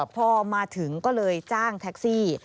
พอมาถึงก็เลยจ้างแท็กซี่